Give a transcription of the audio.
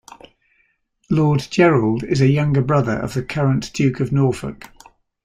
Lord Gerald is a younger brother of the current Duke of Norfolk.